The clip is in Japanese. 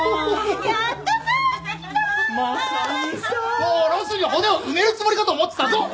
もうロスに骨を埋めるつもりかと思ってたぞ。